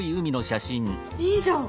いいじゃん！